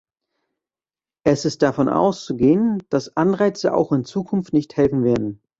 Es ist davon auszugehen, dass Anreize auch in Zukunft nicht helfen werden.